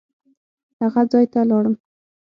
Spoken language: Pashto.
هغه ځای ته لاړم.